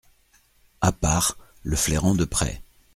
À part, le flairant de près.